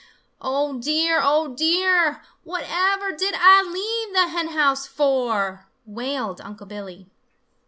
"Oh, dear! Oh, dear! Whatever did Ah leave the hen house for?" wailed Unc' Billy.